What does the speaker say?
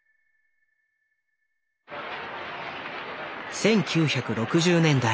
１９６０年代